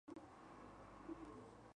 Daisuke Sakaguchi